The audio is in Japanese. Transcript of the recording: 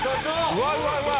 うわうわうわ。